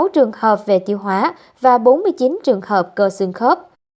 sáu mươi sáu trường hợp về tiêu hóa và bốn mươi chín trường hợp cơ xương khớp